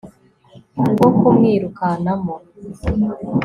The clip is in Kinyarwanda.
bwo kumwirukanamo